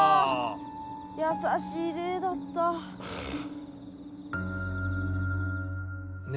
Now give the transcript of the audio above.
優しい霊だった。ね。